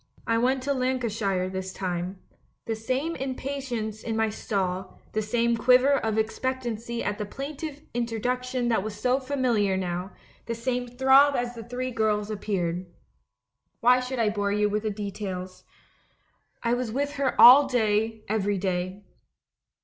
I went to Lancashire this time. The same impatience in my stall, the same quiver of expectancy at the plaintive introduction that was so familiar now, the same throb as the three girls appeared. Why should I bore you with details ? I was with her all day, every day.